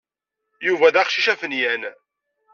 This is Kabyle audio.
Yuba d aqcic afenyan.